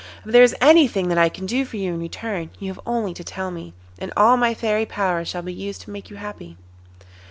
If there is anything that I can do for you in return, you have only to tell me, and all my fairy power shall be used to make you happy.